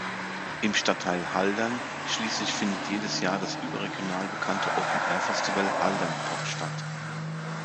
Im Stadtteil Haldern schließlich findet jedes Jahr das überregional bekannte Open-Air-Festival Haldern Pop statt.